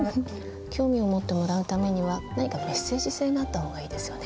興味を持ってもらうためには何かメッセージ性があった方がいいですよね。